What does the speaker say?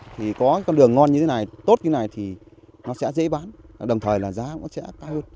thì có con đường ngon như thế này tốt như thế này thì nó sẽ dễ bán đồng thời là giá cũng sẽ cao hơn